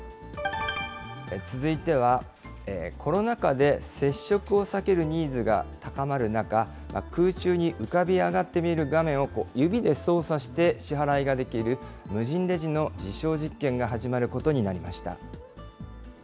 続いては、コロナ禍で接触を避けるニーズが高まる中、空中に浮かび上がって見える画面を指で操作して、支払いができる無人レジの実証実験が始まることになりまし